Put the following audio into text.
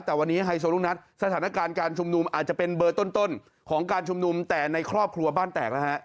แต่วันนี้ไฮโซลูกนัดสถานการณ์การชุมนุมอาจจะเป็นเบอร์ต้นของการชุมนุมแต่ในครอบครัวบ้านแตกแล้วฮะ